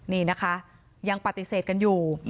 นี่นะคะยังปฏิเสธกันอยู่